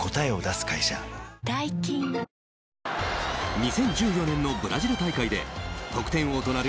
２０１４年のブラジル大会で得点王となる